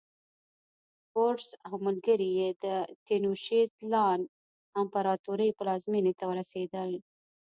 کورټز او ملګري یې د تینوشیت لان امپراتورۍ پلازمېنې ته ورسېدل.